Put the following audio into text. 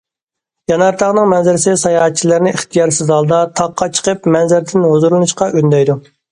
يانار تاغنىڭ مەنزىرىسى ساياھەتچىلەرنى ئىختىيارسىز ھالدا تاققا چىقىپ مەنزىرىدىن ھۇزۇرلىنىشقا ئۈندەيدۇ.